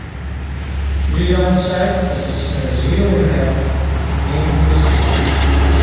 Lila u Saɛid tessenz yiwen n yemsismeḍ.